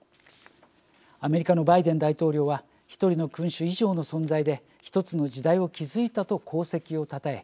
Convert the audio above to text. アメリカのバイデン大統領は「１人の君主以上の存在で１つの時代を築いた」と功績をたたえ